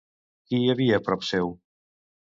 Qui hi havia prop seu?